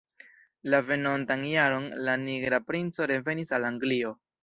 La venontan jaron, la Nigra Princo revenis al Anglio.